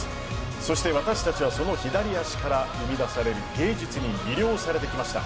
そして私たちはその左足から生み出される芸術に魅了されてきました。